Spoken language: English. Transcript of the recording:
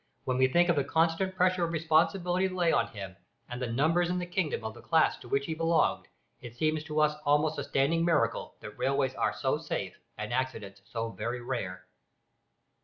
When we think of the constant pressure of responsibility that lay on him, and the numbers in the kingdom of the class to which he belonged, it seems to us almost a standing miracle that railways are so safe and accidents so very rare.